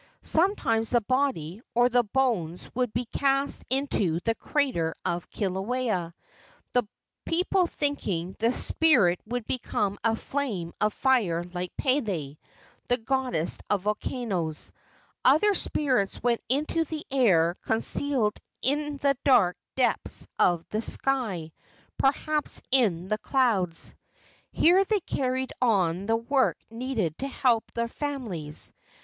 Sometimes the body or the bones would be cast into the crater of Kilauea, the people thinking the spirit would become a flame of fire like Pele, the goddess of volcanoes; other spirits went into the air concealed in the dark depths of the sky, perhaps in the clouds. Here they carried on the work needed to help their families.